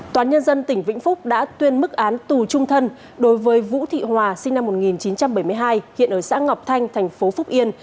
toán nhân dân tỉnh vĩnh phúc đã tuyên mức án tù trung thân đối với vũ thị hòa sinh năm một nghìn chín trăm bảy mươi hai hiện ở xã ngọc thanh thành phố phúc yên